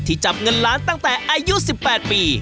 จับเงินล้านตั้งแต่อายุ๑๘ปี